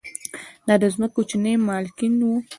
دا د ځمکو کوچني مالکین وو